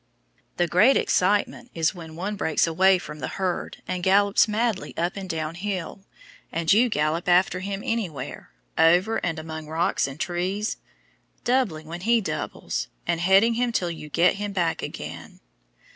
The great excitement is when one breaks away from the herd and gallops madly up and down hill, and you gallop after him anywhere, over and among rocks and trees, doubling when he doubles, and heading him till you get him back again.